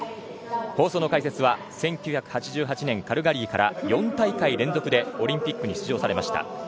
放送の解説は１９８８年、カルガリーから４大会連続でオリンピックに出場されました